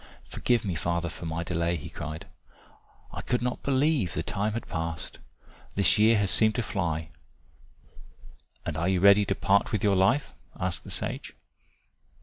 "Forgive me, father, for my delay," he cried. "I could not believe the time had passed. This year has seemed to fly." "And you are ready to part with your life?" asked the sage.